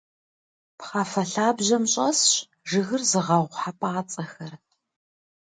Пхъафэ лъабжьэм щӏэсщ жыгыр зыгъэгъу хьэпӏацӏэхэр.